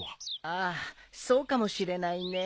ああそうかもしれないね。